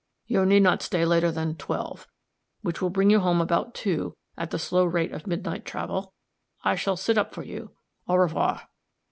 "You need not stay later than twelve; which will bring you home about two, at the slow rate of midnight travel. I shall sit up for you. _Au revoir.